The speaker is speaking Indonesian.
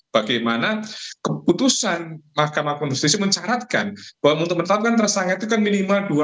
bagaimana keputusan mahkamah konstitusi mencaratkan bahwa untuk menetapkan tersangka itu kan minimal dua